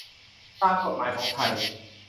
ตามกฎหมายของไทย